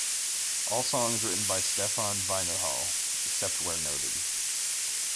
All songs written by Stefan Weinerhall, except where noted.